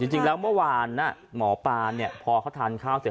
จริงแล้วเมื่อวานหมอปลาพอเขาทานข้าวเสร็จ